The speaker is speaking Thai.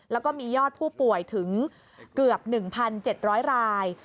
แล้วก็มียอดผู้ป่วยถึงเกือบ๑๗๐๐ราย